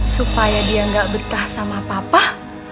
supaya dia nggak betah sama papa